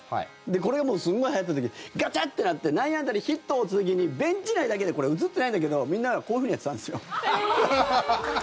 これがすごいはやった時ガチャってなって内野安打でヒット打つ時にベンチ内だけでこれ、映ってないんだけどみんながこういうふうにやってたんですよ。